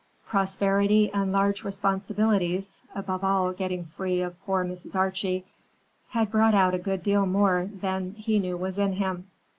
Prosperity and large responsibilities—above all, getting free of poor Mrs. Archie—had brought out a good deal more than he knew was in him.